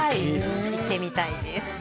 行ってみたいです。